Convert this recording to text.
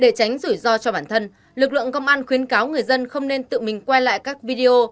để tránh rủi ro cho bản thân lực lượng công an khuyến cáo người dân không nên tự mình quay lại các video